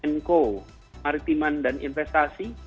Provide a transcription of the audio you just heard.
nku maritiman dan investasi